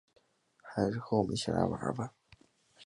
还是和我们一起来玩吧